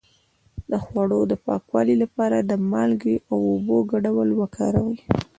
د خوړو د پاکوالي لپاره د مالګې او اوبو ګډول وکاروئ